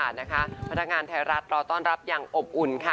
พนักงานไทยรัฐรอต้อนรับอย่างอบอุ่นค่ะ